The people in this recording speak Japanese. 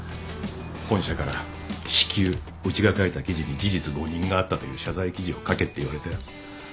本社から至急うちが書いた記事に事実誤認があったという謝罪記事を書けって言われたよ。